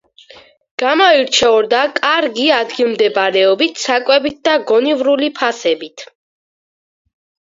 გამოირჩეოდა კარგი ადგილმდებარეობით, საკვებით და გონივრული ფასებით.